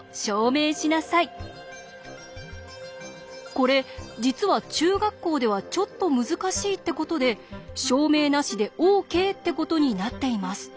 これ実は中学校ではちょっと難しいってことで証明なしでＯＫってことになっています。